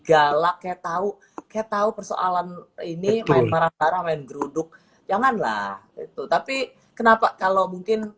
galaknya tahu ketau persoalan ini main parah parah main geruduk janganlah itu tapi kenapa kalau mungkin